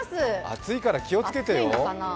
暑いから気をつけてよ？